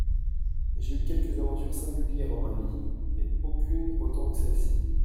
J'ai eu quelques aventures singulières en ma vie, mais aucune autant que celle-ci.